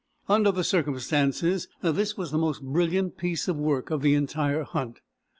Under the circumstances, this was the most brilliant piece of work of the entire hunt.